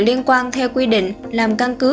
liên quan theo quy định làm căn cứ